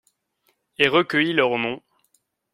Et recueilli leur nom…